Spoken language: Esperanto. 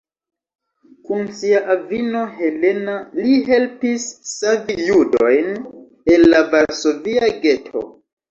Kun sia avino Helena li helpis savi judojn el la Varsovia geto.